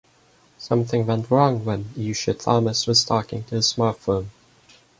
Something went wrong when Yusha Thomas was talking to his smartphone.